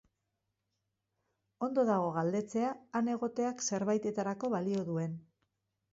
Ondo dago galdetzea han egoteak zerbaitetarako balio duen.